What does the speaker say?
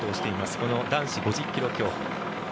この男子５０ｋｍ競歩。